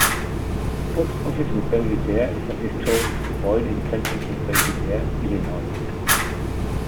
Post Office in Belvidere ist ein historisches Gebäude im Zentrum von Belvidere, Illinois.